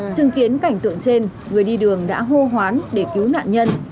chứng kiến cảnh tượng trên người đi đường đã hô hoán để cứu nạn nhân